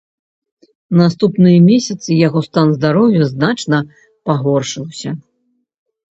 Наступныя месяцы яго стан здароўя значна пагоршыўся.